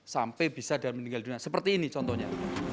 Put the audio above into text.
sampai bisa dan meninggal dunia seperti ini contohnya